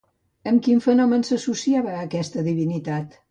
Amb quin fenomen s'associava, aquesta divinitat?